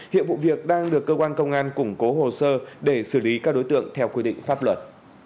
hiện vụ việc đang được cơ quan công an củng cố hồ sơ để xử lý các đối tượng theo quy định pháp luật